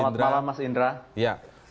selamat malam mas indra